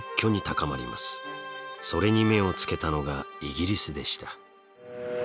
それに目をつけたのがイギリスでした。